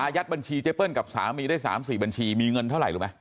ยัดบัญชีเจเปิ้ลกับสามีได้๓๔บัญชีมีเงินเท่าไหร่รู้ไหม